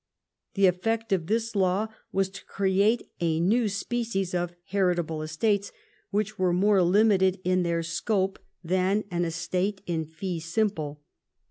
The effect of this law was to create a new species of heritable estates, which Avere more limited in their scope than an estate in fee simple.